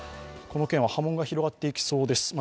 この件は波紋が広がっていきそうです。